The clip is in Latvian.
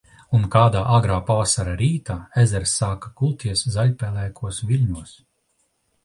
Un kādā agrā pavasara rītā, ezers sāka kulties zaļpelēkos viļņos.